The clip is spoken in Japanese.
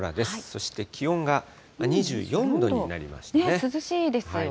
そして気温が２４度になりました涼しいですよね。